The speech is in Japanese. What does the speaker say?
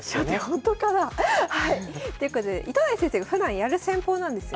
本当かなあ？ということで糸谷先生がふだんやる戦法なんですよね。